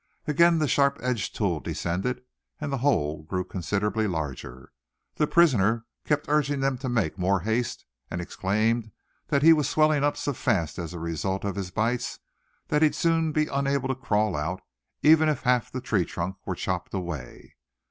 Again the sharp edged tool descended; and the hole grew considerably larger. The prisoner kept urging them to make more haste, and exclaim that he was swelling up so fast as a result of his bites, that he'd soon be unable to crawl out, even if half the tree trunk were chopped away.